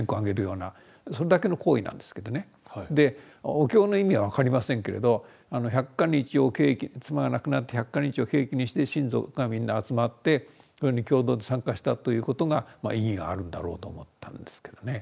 お経の意味は分かりませんけれど百箇日を契機妻が亡くなって百箇日を契機にして親族がみんな集まってそれに共同で参加したということが意義があるんだろうと思ったんですけどね。